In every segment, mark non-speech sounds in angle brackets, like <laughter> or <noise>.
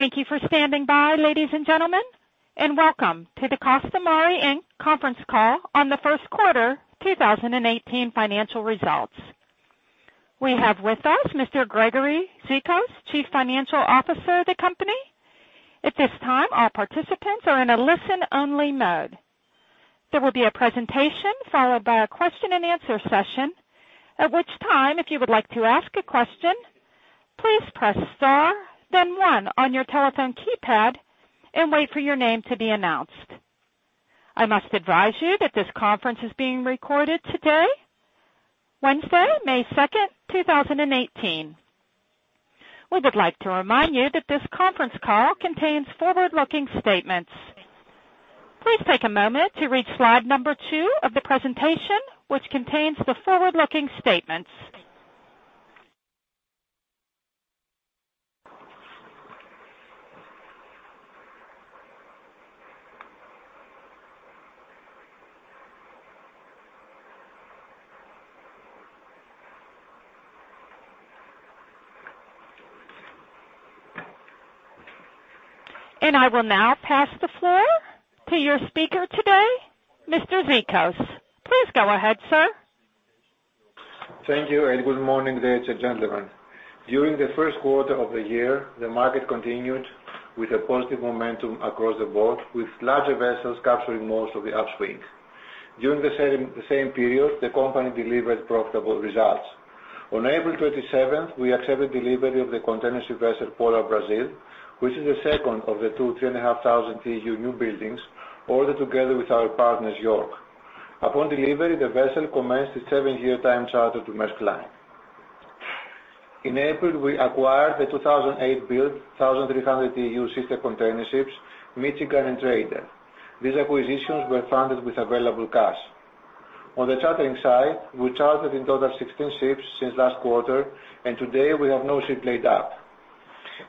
Thank you for standing by, ladies and gentlemen, and welcome to the Costamare Inc. conference call on the first quarter 2018 financial results. We have with us Mr. Gregory Zikos, Chief Financial Officer of the company. At this time, all participants are in a listen-only mode. There will be a presentation followed by a question and answer session. At which time, if you would like to ask a question, please press star then one on your telephone keypad and wait for your name to be announced. I must advise you that this conference is being recorded today, Wednesday, May 2nd, 2018. We would like to remind you that this conference call contains forward-looking statements. Please take a moment to read slide number two of the presentation, which contains the forward-looking statements. I will now pass the floor to your speaker today, Mr. Zikos. Please go ahead, sir. Thank you, good morning, ladies and gentlemen. During the first quarter of the year, the market continued with a positive momentum across the board, with larger vessels capturing most of the upswing. During the same period, the company delivered profitable results. On April 27th, we accepted delivery of the containership vessel Polar Brazil, which is the second of the two 3,500 TEU new buildings ordered together with our partners, York. Upon delivery, the vessel commenced its seven-year time charter to Maersk Line. In April, we acquired the 2008 build 1,300 TEU sister containerships, Michigan and Trader. These acquisitions were funded with available cash. On the chartering side, we chartered in total 16 ships since last quarter. Today we have no ship laid up.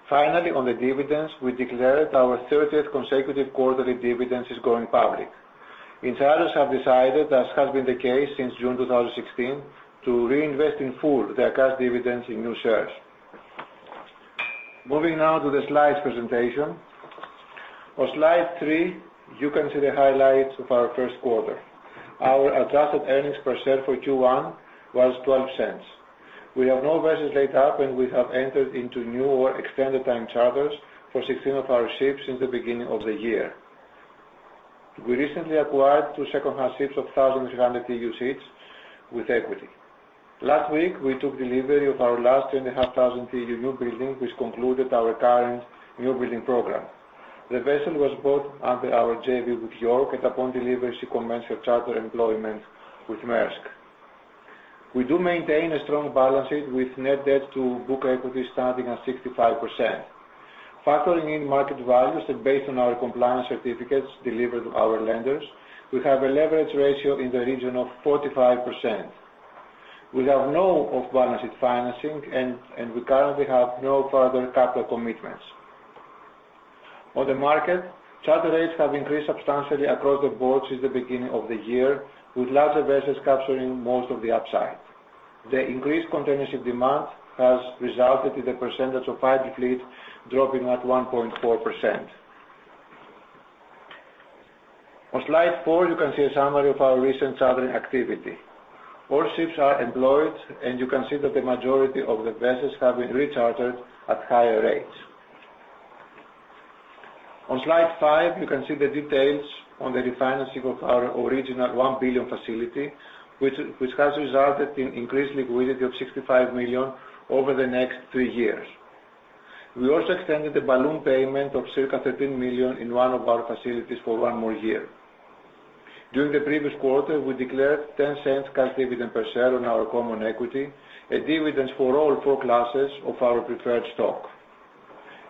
Finally, on the dividends, we declared our 30th consecutive quarterly dividends since going public. Insiders have decided, as has been the case since June 2016, to reinvest in full their cash dividends in new shares. Moving now to the slides presentation. On slide three, you can see the highlights of our first quarter. Our adjusted earnings per share for Q1 was $0.12. We have no vessels laid up. We have entered into new or extended time charters for 16 of our ships since the beginning of the year. We recently acquired two secondhand ships of 1,300 TEU ships with equity. Last week, we took delivery of our last 3,500 TEU new building, which concluded our current new building program. The vessel was bought under our JV with York, upon delivery commenced her charter employment with Maersk. We do maintain a strong balance sheet with net debt to book equity standing at 65%. Factoring in market values based on our compliance certificates delivered to our lenders, we have a leverage ratio in the region of 45%. We have no off-balance sheet financing. We currently have no further capital commitments. On the market, charter rates have increased substantially across the board since the beginning of the year, with larger vessels capturing most of the upside. The increased containership demand has resulted in the percentage of idle fleet dropping at 1.4%. On slide four, you can see a summary of our recent chartering activity. All ships are employed. You can see that the majority of the vessels have been rechartered at higher rates. On slide five, you can see the details on the refinancing of our original $1 billion facility, which has resulted in increased liquidity of $65 million over the next three years. We also extended the balloon payment of circa $13 million in one of our facilities for one more year. During the previous quarter, we declared $0.10 cash dividend per share on our common equity and dividends for all four classes of our preferred stock.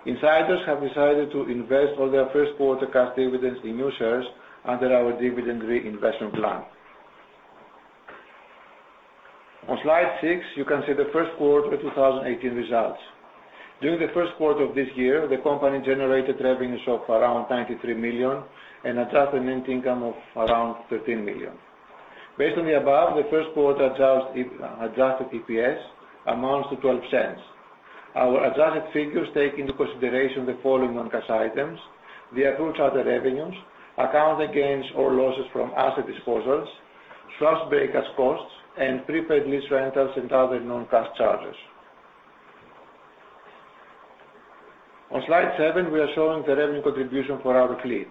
Insiders have decided to invest all their first quarter cash dividends in new shares under our dividend reinvestment plan. On slide seven, you can see the first quarter 2018 results. During the first quarter of this year, the company generated revenues of around $93 million and adjusted net income of around $13 million. Based on the above, the first quarter adjusted EPS amounts to $0.12. Our adjusted figures take into consideration the following non-cash items: the approved charter revenues, accounting gains or losses from asset disposals, <inaudible> and prepaid lease rentals and other non-cash charges. On slide seven, we are showing the revenue contribution for our fleet.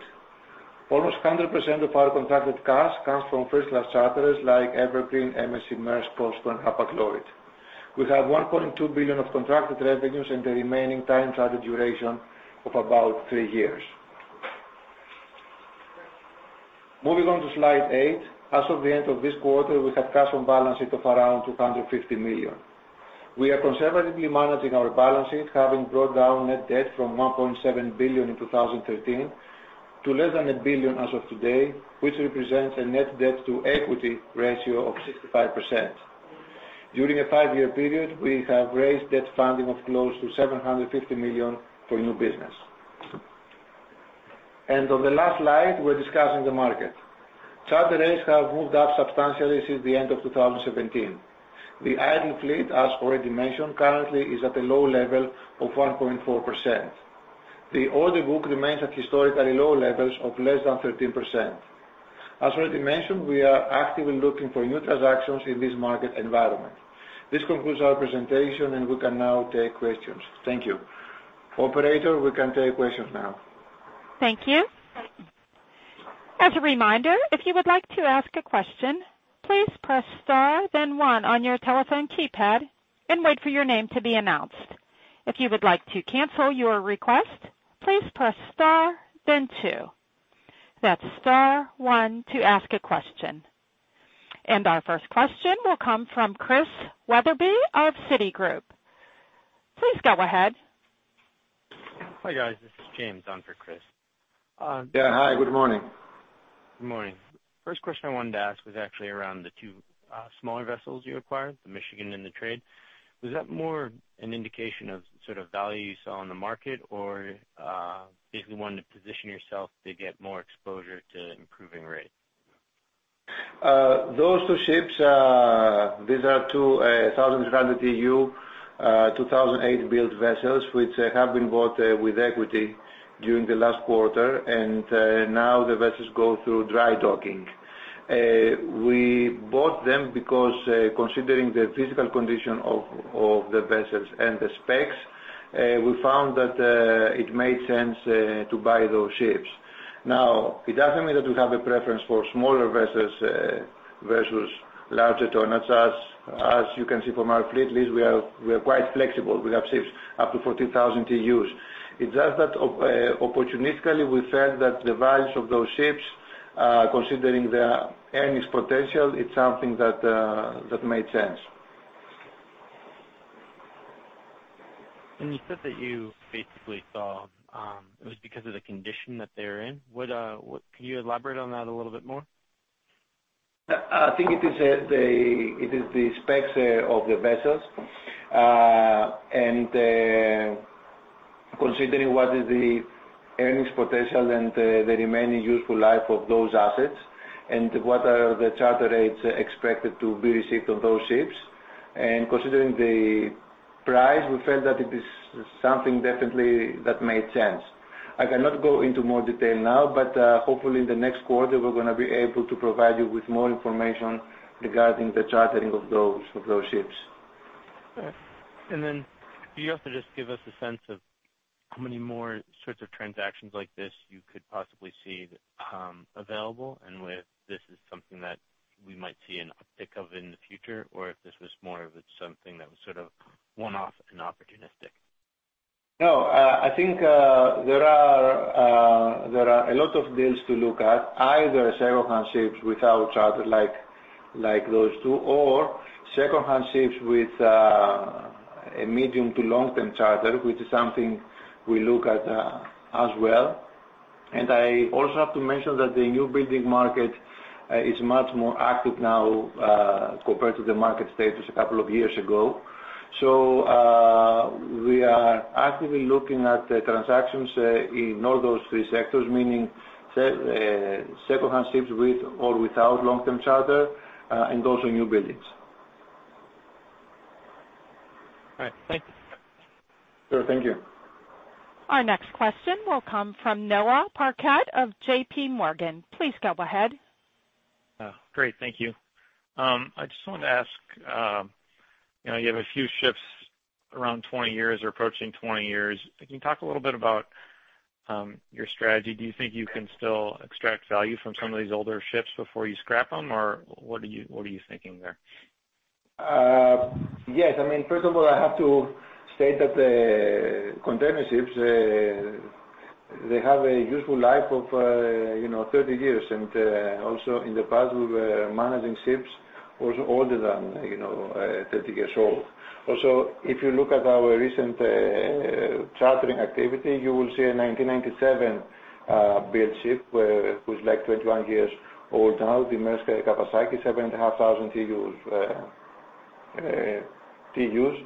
Almost 100% of our contracted charters comes from first class charters like Evergreen, MSC, Maersk, COSCO, and Hapag-Lloyd. We have $1.2 billion of contracted revenues and the remaining time charter duration of about three years. Moving on to slide eight. As of the end of this quarter, we have cash on balance sheet of around $250 million. We are conservatively managing our balance sheet, having brought down net debt from $1.7 billion in 2013 to less than $1 billion as of today, which represents a net debt to equity ratio of 65%. During a five-year period, we have raised debt funding of close to $750 million for new business. On the last slide, we're discussing the market. Charter rates have moved up substantially since the end of 2017. The idle fleet, as already mentioned, currently is at a low level of 1.4%. The order book remains at historically low levels of less than 13%. As already mentioned, we are actively looking for new transactions in this market environment. This concludes our presentation. We can now take questions. Thank you. Operator, we can take questions now. Thank you. As a reminder, if you would like to ask a question, please press star then one on your telephone keypad and wait for your name to be announced. If you would like to cancel your request, please press star then two. That's star one to ask a question. Our first question will come from Christian Wetherbee of Citigroup. Please go ahead. Hi, guys. This is James on for Chris. Yeah. Hi, good morning. Good morning. First question I wanted to ask was actually around the two smaller vessels you acquired, the Michigan and the Trader. Was that more an indication of sort of value you saw on the market or if you wanted to position yourself to get more exposure to improving rates? Those two ships, these are two 1,000 TEU 2008 build vessels, which have been bought with equity during the last quarter. Now the vessels go through dry docking. We bought them because considering the physical condition of the vessels and the specs, we found that it made sense to buy those ships. It doesn't mean that we have a preference for smaller vessels versus larger tonnage. As you can see from our fleet list, we are quite flexible. We have ships up to 14,000 TEUs. It's just that opportunistically, we felt that the values of those ships, considering their earnings potential, it's something that made sense. When you said that you basically saw it was because of the condition that they're in, can you elaborate on that a little bit more? I think it is the specs of the vessels, and considering what is the earnings potential and the remaining useful life of those assets and what are the charter rates expected to be received on those ships. Considering the price, we felt that it is something definitely that made sense. I cannot go into more detail now, hopefully in the next quarter, we're going to be able to provide you with more information regarding the chartering of those ships. All right. Could you also just give us a sense of how many more sorts of transactions like this you could possibly see available and with this is something that we might see an uptick of in the future, or if this was more of something that was sort of one-off and opportunistic? No, I think there are a lot of deals to look at, either second-hand ships without charter like those two, or second-hand ships with a medium to long-term charter, which is something we look at as well. I also have to mention that the new building market is much more active now compared to the market status a couple of years ago. We are actively looking at transactions in all those three sectors, meaning second-hand ships with or without long-term charter, and also new buildings. All right. Thank you. Sure, thank you. Our next question will come from Noah Parquette of JPMorgan. Please go ahead. Great. Thank you. I just wanted to ask, you have a few ships around 20 years or approaching 20 years. Can you talk a little bit about your strategy? Do you think you can still extract value from some of these older ships before you scrap them, or what are you thinking there? Yes. I mean, first of all, I have to state that the container ships they have a useful life of 30 years. Also in the past, we were managing ships also older than 30 years old. Also, if you look at our recent chartering activity, you will see a 1997 build ship, which is like 21 years old now, the Maersk Kawasaki, 7,500 TEUs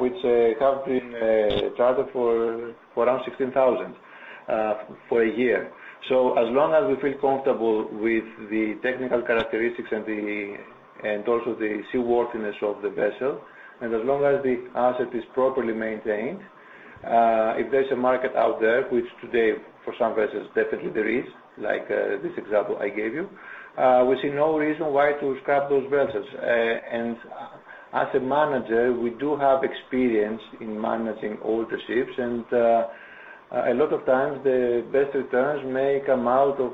which have been chartered for around $16,000 for a year. As long as we feel comfortable with the technical characteristics and also the seaworthiness of the vessel, and as long as the asset is properly maintained, if there's a market out there, which today, for some vessels, definitely there is, like this example I gave you, we see no reason why to scrap those vessels. As a manager, we do have experience in managing older ships, and a lot of times the best returns may come out of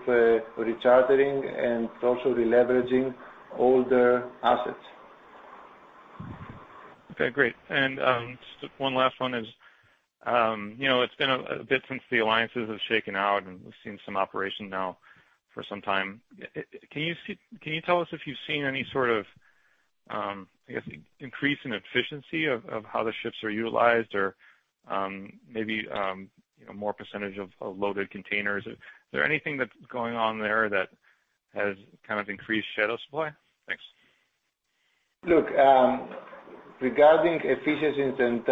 rechartering and also releveraging older assets. Okay, great. Just one last one is it's been a bit since the alliances have shaken out, and we've seen some operation now for some time. Can you tell us if you've seen any sort of, I guess, increase in efficiency of how the ships are utilized or maybe more percentage of loaded containers? Is there anything that's going on there that has kind of increased shadow supply? Thanks. Look, regarding efficiencies and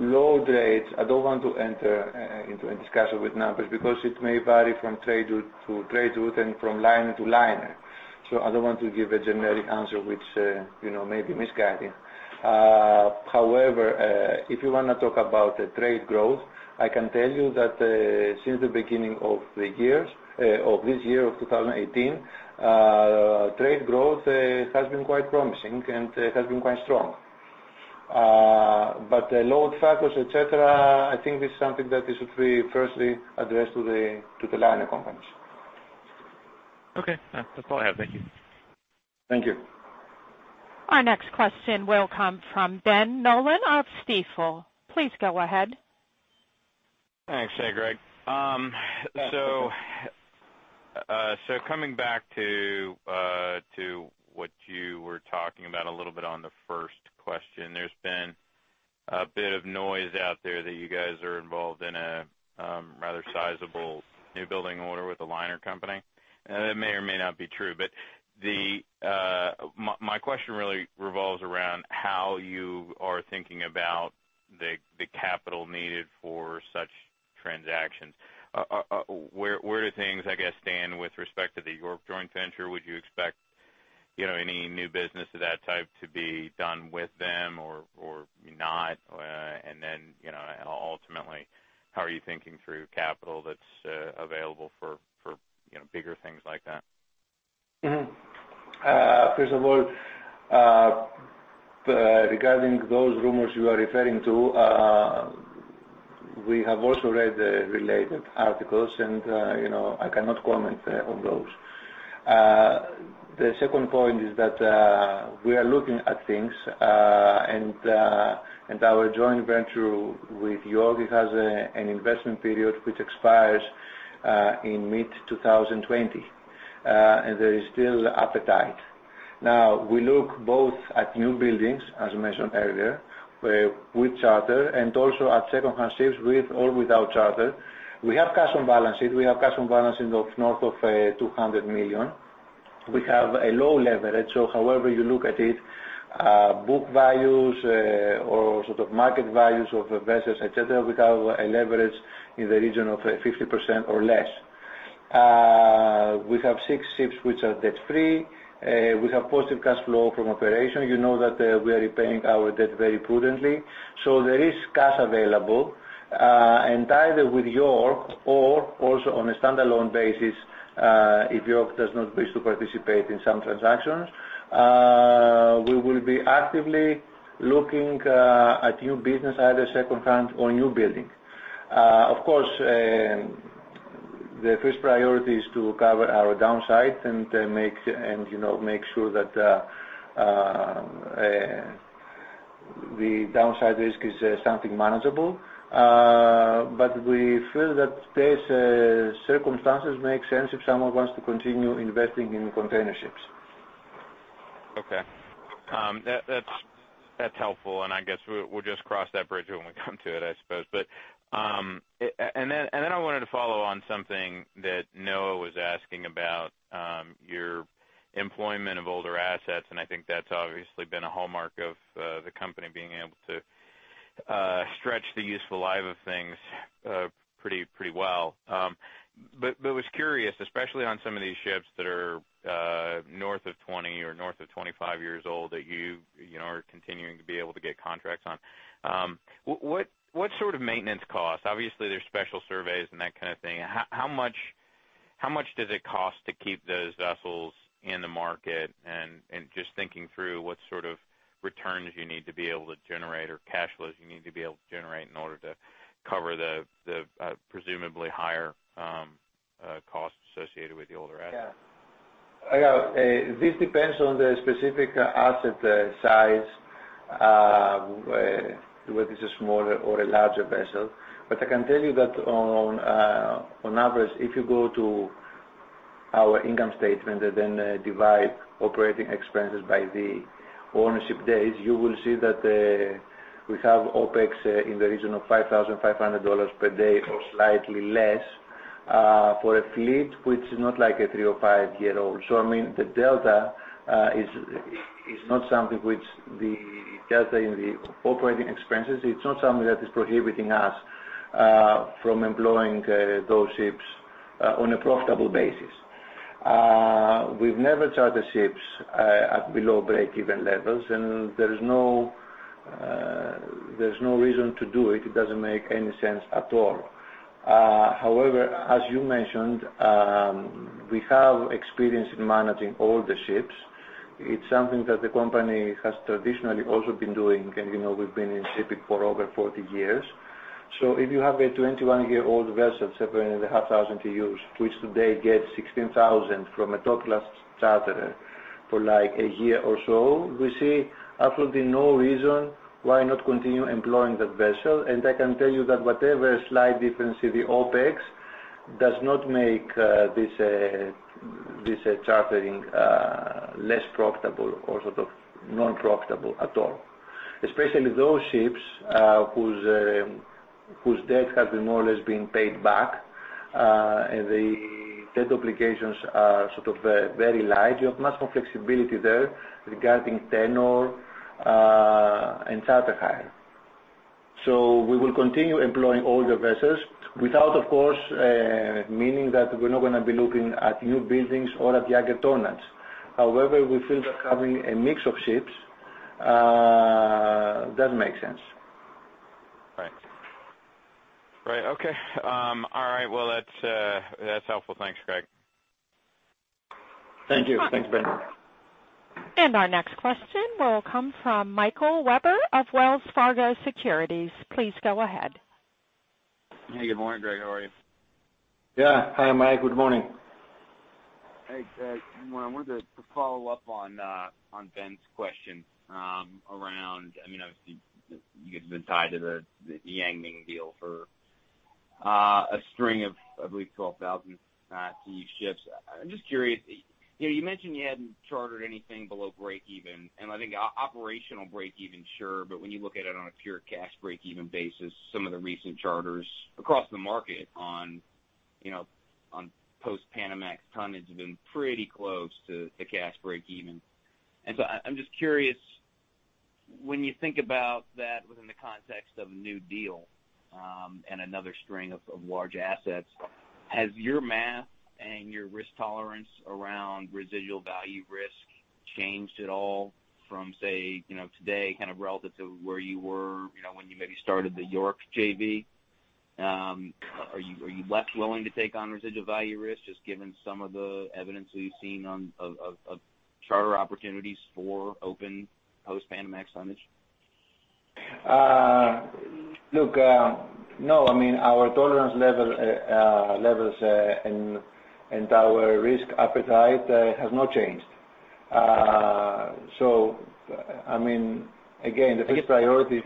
load rates, I don't want to enter into a discussion with numbers because it may vary from trade route to trade route, and from liner to liner. I don't want to give a generic answer which may be misguiding. However, if you want to talk about trade growth, I can tell you that since the beginning of this year of 2018, trade growth has been quite promising and has been quite strong. The load factors, et cetera, I think this is something that we should firstly address to the liner companies. Okay. That's all I have. Thank you. Thank you. Our next question will come from Ben Nolan of Stifel. Please go ahead. Thanks. Hey, Greg. Coming back to what you were talking about a little bit on the first question. There's been a bit of noise out there that you guys are involved in a rather sizable new building order with a liner company. That may or may not be true. My question really revolves around how you are thinking about the capital needed for such transactions. Where do things, I guess, stand with respect to the York joint venture? Would you expect any new business of that type to be done with them or not? Ultimately, how are you thinking through capital that's available for bigger things like that? First of all, regarding those rumors you are referring to, we have also read the related articles. I cannot comment on those. The second point is that we are looking at things. Our joint venture with York has an investment period which expires in mid-2020. There is still appetite. Now, we look both at new buildings, as mentioned earlier, with charter, also at second-hand ships with or without charter. We have cash on balances of north of $200 million. We have a low leverage. However you look at it, book values or market values of vessels, et cetera, we have a leverage in the region of 50% or less. We have six ships which are debt-free. We have positive cash flow from operation. You know that we are repaying our debt very prudently. There is cash available. Either with York or also on a standalone basis, if York does not wish to participate in some transactions, we will be actively looking at new business, either second-hand or new building. Of course, the first priority is to cover our downside and make sure that the downside risk is something manageable. We feel that today's circumstances make sense if someone wants to continue investing in container ships. Okay. That's helpful. I guess we'll just cross that bridge when we come to it, I suppose. I wanted to follow on something that Omar was asking about your employment of older assets. I think that's obviously been a hallmark of the company being able to stretch the useful life of things pretty well. Was curious, especially on some of these ships that are north of 20 or north of 25 years old that you are continuing to be able to get contracts on. What sort of maintenance costs? Obviously, there's special surveys and that kind of thing. How much does it cost to keep those vessels in the market? Just thinking through what sort of returns you need to be able to generate or cash flows you need to be able to generate in order to cover the presumably higher costs associated with the older assets. This depends on the specific asset size, whether it's a smaller or a larger vessel. I can tell you that on average, if you go to our income statement and then divide operating expenses by the ownership days, you will see that we have OPEX in the region of $5,500 per day or slightly less for a fleet which is not like a three or five-year-old. I mean, the delta in the operating expenses, it's not something that is prohibiting us from employing those ships on a profitable basis. We've never chartered ships at below break-even levels, and there's no reason to do it. It doesn't make any sense at all. As you mentioned, we have experience in managing older ships. It's something that the company has traditionally also been doing, and we've been in shipping for over 40 years. If you have a 21-year-old vessel, 17,500 TEUs, which today gets 16,000 from a top-class charterer for a year or so, we see absolutely no reason why not continue employing that vessel. I can tell you that whatever slight difference in the OPEX does not make this chartering less profitable or non-profitable at all. Especially those ships whose debt has more or less been paid back, the debt obligations are very light. You have much more flexibility there regarding tenure and charter hire. We will continue employing all the vessels without, of course, meaning that we're not going to be looking at new buildings or at the alternatives. We feel that having a mix of ships does make sense. Right. Okay. All right. Well, that's helpful. Thanks, Greg. Thank you. Thanks, Ben. Our next question will come from Michael Webber of Wells Fargo Securities. Please go ahead. Hey, good morning, Greg. How are you? Yeah. Hi, Mike. Good morning. Hey, Greg. I wanted to follow up on Ben's question around, obviously, you guys have been tied to the Yang Ming deal for a string of, I believe, 12,000 TEU ships. I'm just curious. You mentioned you hadn't chartered anything below break even, and I think operational break even, sure, but when you look at it on a pure cash break even basis, some of the recent charters across the market on post-Panamax tonnage have been pretty close to the cash break even. So I'm just curious, when you think about that within the context of a new deal, and another string of large assets, has your math and your risk tolerance around residual value risk changed at all from, say, today, relative to where you were when you maybe started the York JV? Are you less willing to take on residual value risk, just given some of the evidence that you've seen of charter opportunities for open post-Panamax tonnage? Look, no, our tolerance levels, and our risk appetite has not changed. Again, the first priority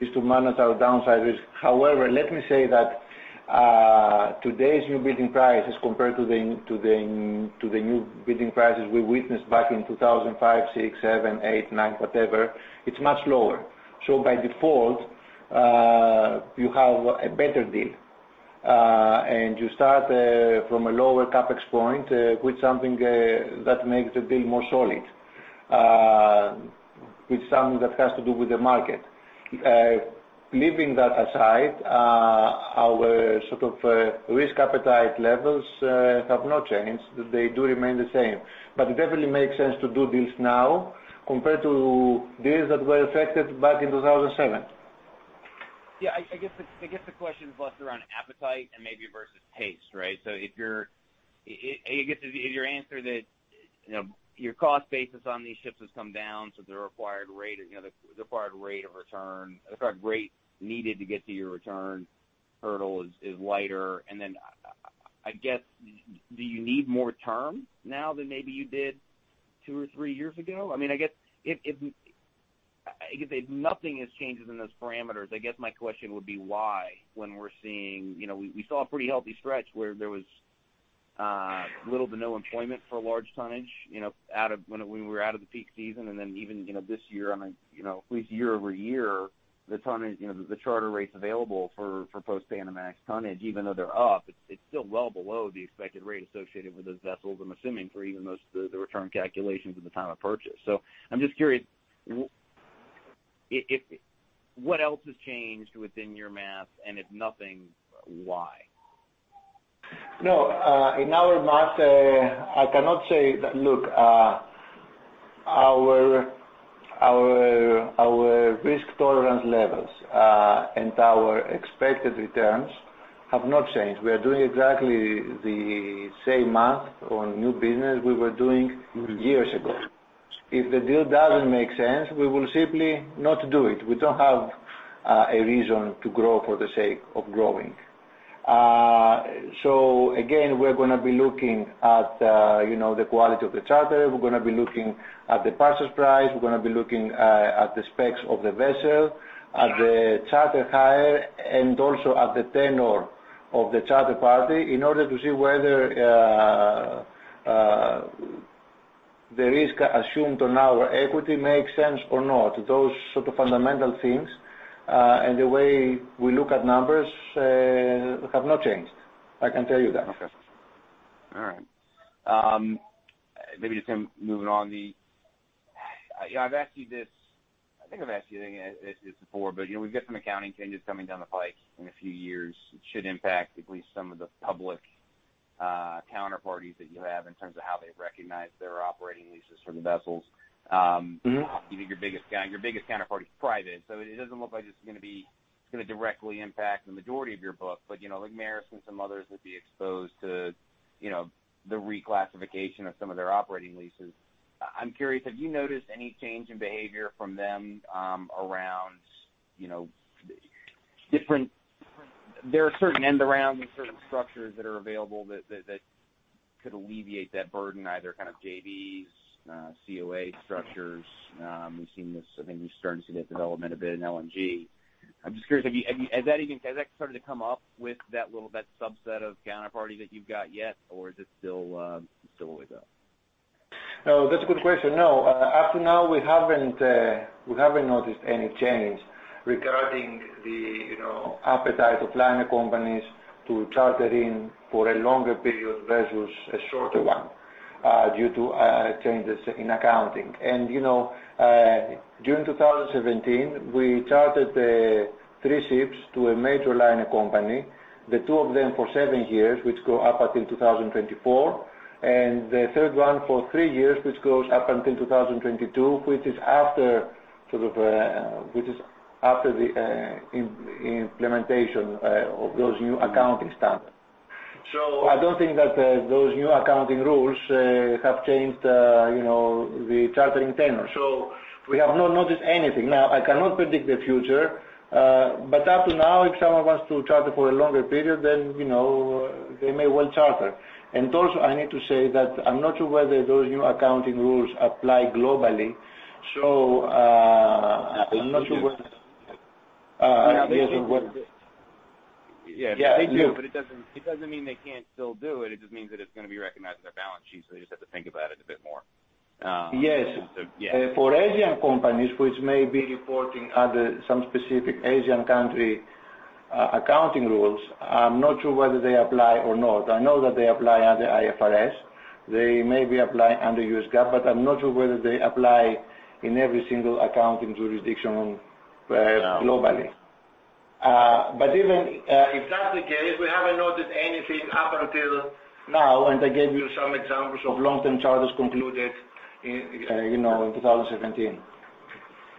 is to manage our downside risk. However, let me say that today's new building price as compared to the new building prices we witnessed back in 2005, 2006, 2007, 2008, 2009, whatever, it's much lower. By default, you have a better deal. You start from a lower CapEx point with something that makes the deal more solid, with something that has to do with the market. Leaving that aside, our risk appetite levels have not changed. They do remain the same. It definitely makes sense to do deals now compared to deals that were affected back in 2007. Yeah, I guess the question is less around appetite and maybe versus taste, right? I guess if your answer that your cost basis on these ships has come down, so the required rate of return, the required rate needed to get to your return hurdle is lighter, do you need more term now than maybe you did two or three years ago? I guess if nothing has changed in those parameters, I guess my question would be why, when we saw a pretty healthy stretch where there was little to no employment for large tonnage when we were out of the peak season, even this year, at least year-over-year, the charter rates available for post-Panamax tonnage, even though they're up, it's still well below the expected rate associated with those vessels, I'm assuming, for even most of the return calculations at the time of purchase. I'm just curious, what else has changed within your math, and if nothing, why? No. In our math, I cannot say that our risk tolerance levels, and our expected returns have not changed. We are doing exactly the same math on new business we were doing years ago. If the deal doesn't make sense, we will simply not do it. We don't have a reason to grow for the sake of growing. Again, we're going to be looking at the quality of the charter. We're going to be looking at the purchase price. We're going to be looking at the specs of the vessel, at the charter hire, and also at the tenure of the charter party in order to see whether the risk assumed on our equity makes sense or not. Those sort of fundamental things, and the way we look at numbers have not changed. I can tell you that. Okay. All right. Maybe just moving on. I think I've asked you this before, we've got some accounting changes coming down the pike in a few years, which should impact at least some of the public counterparties that you have in terms of how they recognize their operating leases for the vessels. Your biggest counterparty is private, so it doesn't look like it's going to directly impact the majority of your book, but like Maersk and some others would be exposed to the reclassification of some of their operating leases. I'm curious, have you noticed any change in behavior from them around different end-arounds and certain structures that are available that could alleviate that burden, either JVs, COA structures? We've seen this, I think we're starting to see that development a bit in LNG. I'm just curious, has that started to come up with that subset of counterparty that you've got yet? Is it still a way to go? No, that's a good question. No, up to now, we haven't noticed any change regarding the appetite of liner companies to charter in for a longer period versus a shorter one due to changes in accounting. During 2017, we chartered three ships to a major liner company, the two of them for seven years, which go up until 2024, and the third one for three years, which goes up until 2022, which is after the implementation of those new accounting standards. I don't think that those new accounting rules have changed the chartering tenor. We have not noticed anything. Now, I cannot predict the future, but up to now, if someone wants to charter for a longer period, then they may well charter. Also, I need to say that I'm not sure whether those new accounting rules apply globally. I'm not sure whether. Yeah. They do, but it doesn't mean they can't still do it. It just means that it's going to be recognized on their balance sheet. They just have to think about it a bit more. Yes. Yeah. For Asian companies, which may be reporting under some specific Asian country accounting rules, I'm not sure whether they apply or not. I know that they apply under IFRS. They may be applying under US GAAP, but I'm not sure whether they apply in every single accounting jurisdiction globally. Yeah. Even if that's the case, we haven't noticed anything up until now, and I gave you some examples of long-term charters concluded in 2017.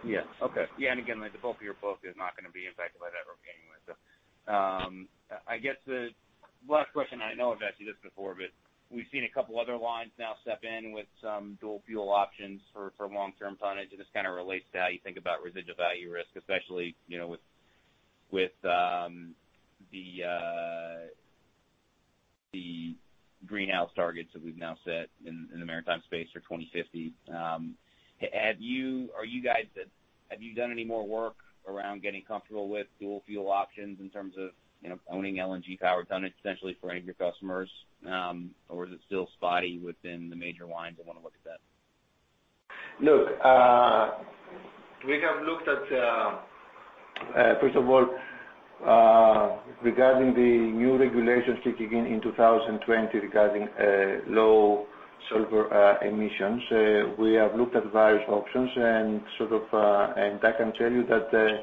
Yeah. Okay. Again, the bulk of your book is not going to be impacted by that anyway. I guess the last question, I know I've asked you this before, but we've seen a couple of other lines now step in with some dual fuel options for long-term tonnage. It just kind of relates to how you think about residual value risk, especially, with the greenhouse targets that we've now set in the maritime space for 2050. Have you done any more work around getting comfortable with dual fuel options in terms of owning LNG powered tonnage, essentially for any of your customers? Is it still spotty within the major lines that want to look at that? We have looked at first of all, regarding the new regulations kicking in in 2020 regarding low sulfur emissions. We have looked at various options and I can tell you that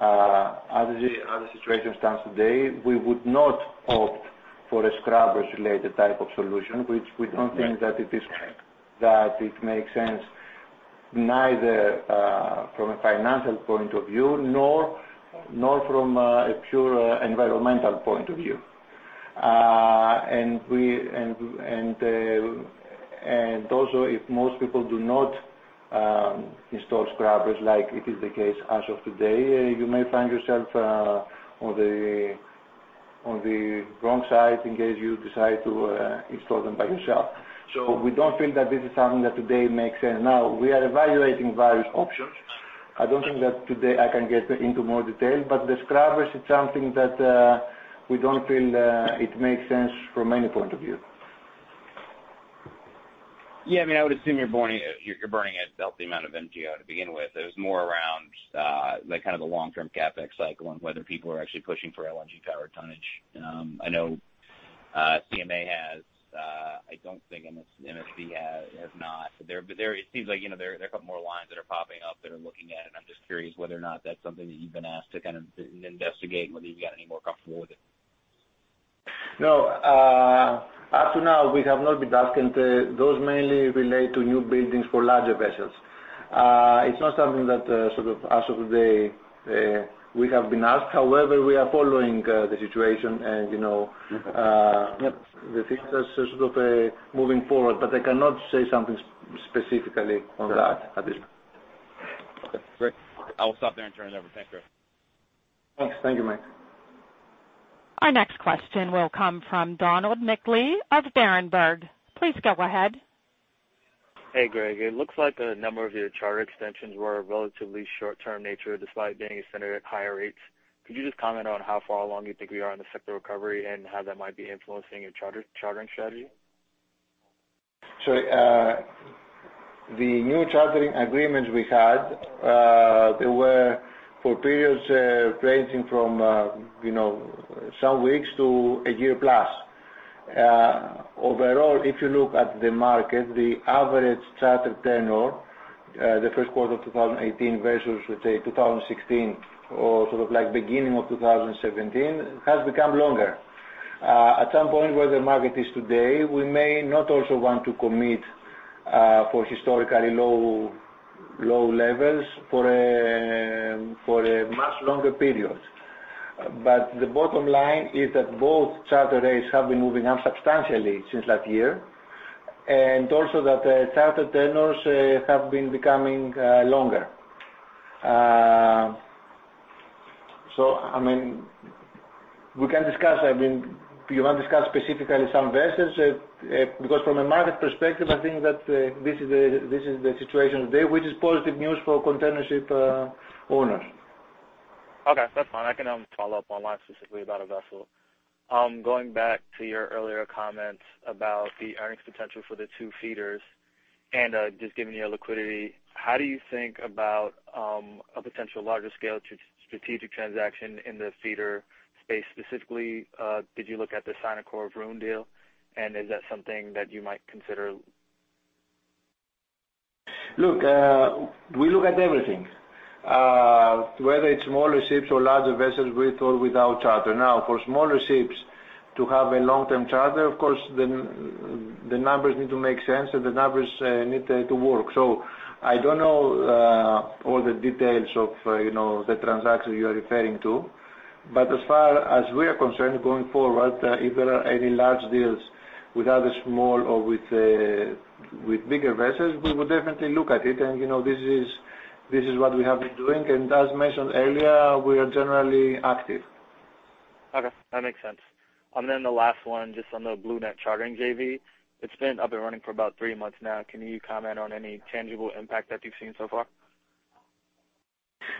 as the situation stands today, we would not opt for a scrubbers related type of solution, which we don't think that it makes sense neither from a financial point of view nor from a pure environmental point of view. Also, if most people do not install scrubbers like it is the case as of today, you may find yourself on the wrong side in case you decide to install them by yourself. We don't feel that this is something that today makes sense. We are evaluating various options. I don't think that today I can get into more detail, the scrubbers is something that we don't feel it makes sense from any point of view. Yeah. I would assume you're burning a healthy amount of MGO to begin with. It was more around the long-term CapEx cycle and whether people are actually pushing for LNG powered tonnage. I know CMA has, I don't think MSC has not. It seems like there are a couple more lines that are popping up that are looking at it. I'm just curious whether or not that's something that you've been asked to investigate, whether you've got any more comfortable with it. No. Up to now, we have not been asked, those mainly relate to new buildings for larger vessels. It's not something that as of today we have been asked. However, we are following the situation and the things are sort of moving forward, but I cannot say something specifically on that at this point. Okay, great. I will stop there and turn it over. Thank you. Thanks. Thank you, Mike. Our next question will come from Donald Nickley of Berenberg. Please go ahead. Hey, Greg. It looks like a number of your charter extensions were relatively short-term nature, despite being centered at higher rates. Could you just comment on how far along you think we are in the sector recovery and how that might be influencing your chartering strategy? The new chartering agreements we had, they were for periods ranging from some weeks to 1 year plus. Overall, if you look at the market, the average charter tenor Q1 2018 versus, let's say 2016 or beginning of 2017, has become longer. At some point where the market is today, we may not also want to commit for historically low levels for a much longer period. The bottom line is that both charter rates have been moving up substantially since last year, and also that the charter tenors have been becoming longer. We can discuss. You want to discuss specifically some vessels? From a market perspective, I think that this is the situation today, which is positive news for containership owners. Okay, that's fine. I can follow up online specifically about a vessel. Going back to your earlier comments about the earnings potential for the 2 feeders and just giving you a liquidity, how do you think about a potential larger scale strategic transaction in the feeder space? Specifically, did you look at the Sinocean Vroon deal, and is that something that you might consider? Look, we look at everything, whether it's smaller ships or larger vessels, with or without charter. Now, for smaller ships to have a long-term charter, of course, the numbers need to make sense, and the numbers need to work. I don't know all the details of the transaction you are referring to. As far as we are concerned going forward, if there are any large deals with other small or with bigger vessels, we would definitely look at it. This is what we have been doing. As mentioned earlier, we are generally active. Okay, that makes sense. The last one, just on the Blue Net Chartering JV, it's been up and running for about 3 months now. Can you comment on any tangible impact that you've seen so far?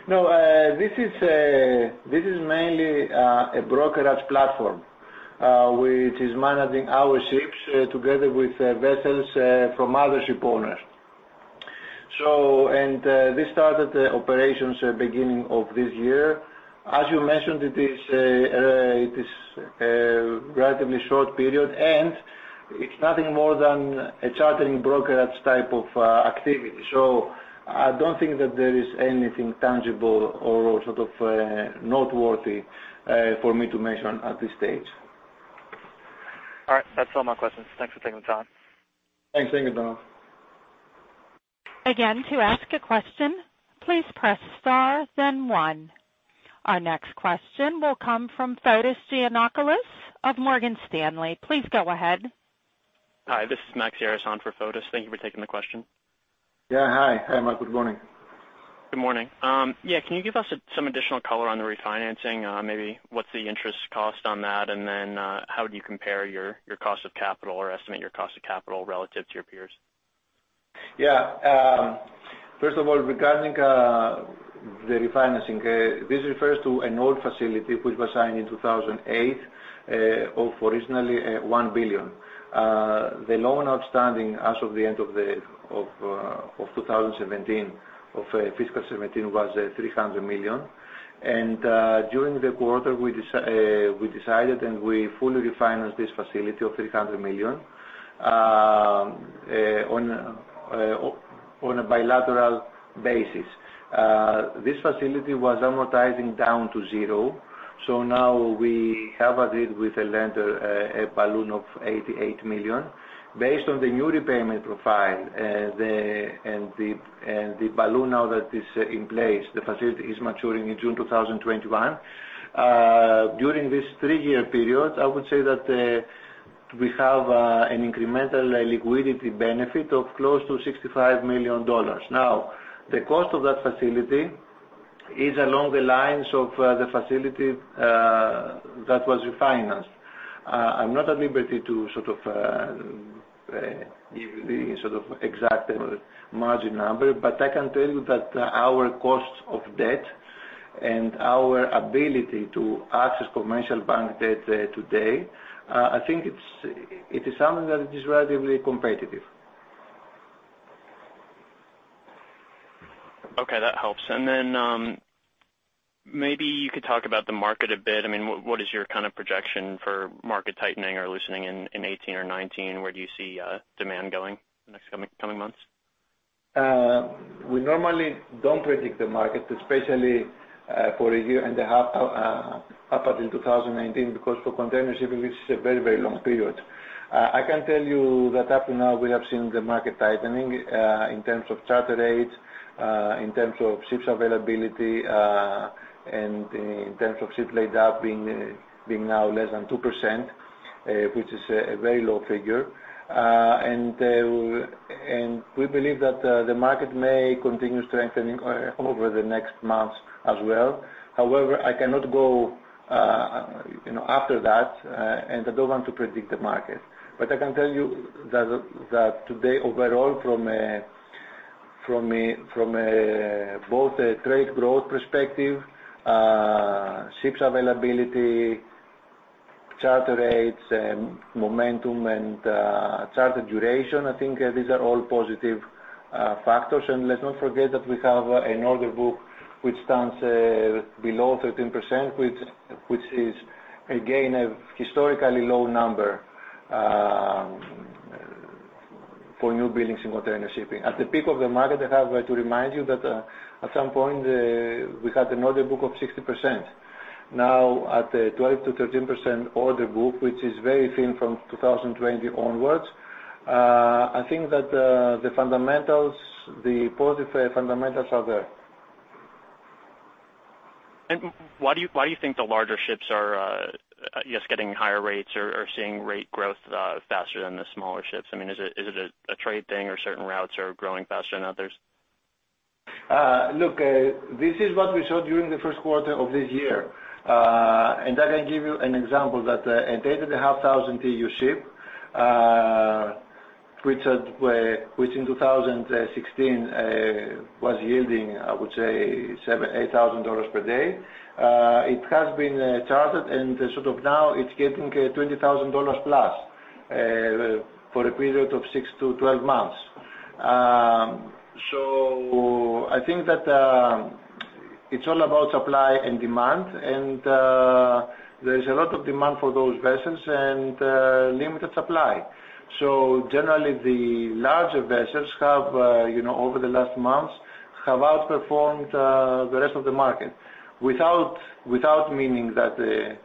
No, this is mainly a brokerage platform, which is managing our ships together with vessels from other ship owners. They started the operations beginning of this year. As you mentioned, it is a relatively short period, it's nothing more than a chartering brokerage type of activity. I don't think that there is anything tangible or sort of noteworthy for me to mention at this stage. All right. That's all my questions. Thanks for taking the time. Thanks. Thank you, Donald. Again, to ask a question, please press star then one. Our next question will come from Fotis Giannakoulis of Morgan Stanley. Please go ahead. Hi, this is Max Harrison for Fotis. Thank you for taking the question. Yeah. Hi, Max. Good morning. Good morning. Can you give us some additional color on the refinancing? Maybe what's the interest cost on that, and then how would you compare your cost of capital or estimate your cost of capital relative to your peers? Yeah. First of all, regarding the refinancing this refers to an old facility, which was signed in 2008 of originally $1 billion. The loan outstanding as of the end of 2017, of fiscal 2017 was $300 million. During the quarter, we decided, and we fully refinanced this facility of $300 million on a bilateral basis. This facility was amortizing down to zero, so we have a deal with a lender, a balloon of $88 million. Based on the new repayment profile, and the balloon now that is in place, the facility is maturing in June 2021. During this three-year period, I would say that we have an incremental liquidity benefit of close to $65 million. The cost of that facility is along the lines of the facility that was refinanced. I'm not at liberty to give the sort of exact margin number, but I can tell you that our costs of debt and our ability to access commercial bank debt today, I think it is something that is relatively competitive. Okay, that helps. Then maybe you could talk about the market a bit. What is your projection for market tightening or loosening in 2018 or 2019? Where do you see demand going in the next coming months? We normally don't predict the market, especially for a year and a half up until 2019, because for container shipping, this is a very long period. I can tell you that up to now, we have seen the market tightening in terms of charter rates, in terms of ships availability, and in terms of ships laid up being now less than 2%, which is a very low figure. We believe that the market may continue strengthening over the next months as well. However, I cannot go after that, and I don't want to predict the market. I can tell you that today, overall, from both a trade growth perspective, ships availability, charter rates, momentum, and charter duration, I think these are all positive factors. Let's not forget that we have an order book which stands below 13%, which is again, a historically low number for new buildings in container shipping. At the peak of the market, I have to remind you that at some point, we had an order book of 60%. Now at a 12%-13% order book, which is very thin from 2020 onwards, I think that the positive fundamentals are there. Why do you think the larger ships are just getting higher rates or seeing rate growth faster than the smaller ships? Is it a trade thing or certain routes are growing faster than others? Look, this is what we saw during the first quarter of this year. I can give you an example that an 8,500 TEU ship which in 2016 was yielding, I would say $7,000-$8,000 per day. It has been chartered, and sort of now it's getting $20,000 plus for a period of six to 12 months. I think that it's all about supply and demand, and there's a lot of demand for those vessels and limited supply. Generally, the larger vessels have over the last months have outperformed the rest of the market without meaning that the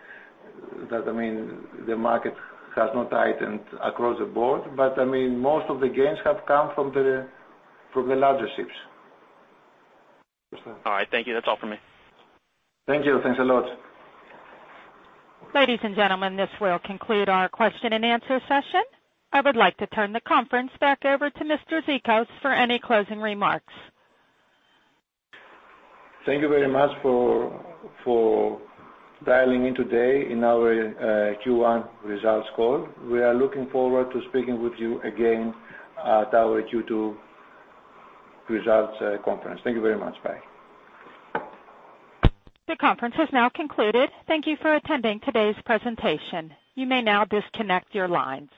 market has not tightened across the board. Most of the gains have come from the larger ships. All right. Thank you. That's all for me. Thank you. Thanks a lot. Ladies and gentlemen, this will conclude our question and answer session. I would like to turn the conference back over to Mr. Zikos for any closing remarks. Thank you very much for dialing in today in our Q1 results call. We are looking forward to speaking with you again at our Q2 results conference. Thank you very much. Bye. The conference has now concluded. Thank you for attending today's presentation. You may now disconnect your lines.